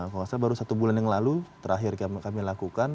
kalau nggak salah baru satu bulan yang lalu terakhir kami lakukan